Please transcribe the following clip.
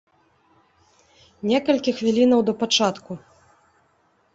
Некалькі хвілінаў да пачатку.